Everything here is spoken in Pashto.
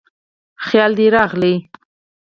خیال دې راغلی